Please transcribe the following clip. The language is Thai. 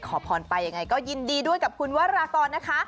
ขอพรไปยังไงก็ยินดีด้วยกับคุณวรากรนะคะ